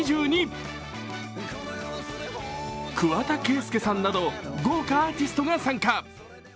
桑田佳祐さんなど豪華アーティストが参加。